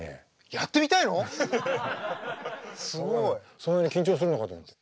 そんなに緊張するのかと思って。